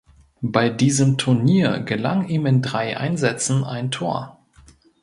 Bei diesem Turnier gelang ihm in drei Einsätzen ein Tor.